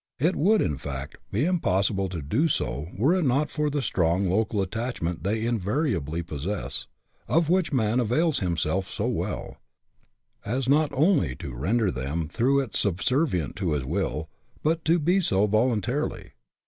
It would, in fact, be impossible to do so were it not for the strong local attachment they invariably possess, of which man avails. ^ himself so well, as not only to render them through it subriU. servient to his will, but to be so voluntarily.